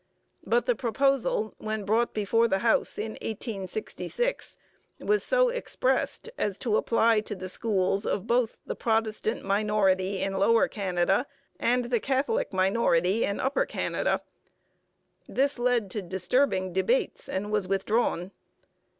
But the proposal, when brought before the House in 1866, was so expressed as to apply to the schools of both the Protestant minority in Lower Canada and the Catholic minority in Upper Canada. This led to disturbing debates and was withdrawn.